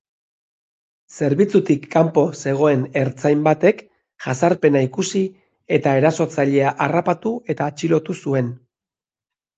Zerbitzutik kanpo zegoen ertzain batek jazarpena ikusi eta erasotzailea harrapatu eta atxilotu zuen.